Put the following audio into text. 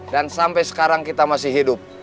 dan sampai sekarang kita masih hidup